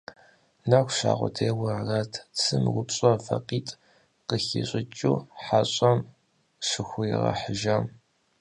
Нэху ща къудейуэ арат цым упщӀэ вакъитӀ къыхищӀыкӀыу хьэщӀэм щыхуригъэхьыжам.